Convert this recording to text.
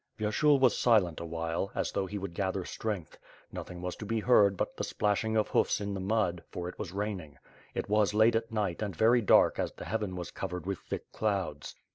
Vyershul was silent awhile, as though he would gather {strength. Nothing was to be heard but the splashing of hoofs in the mud, for it was raining. It was late at night and very dark as the heaven was covered with thick clouds.